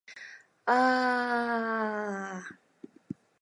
あああああああああああああああああああ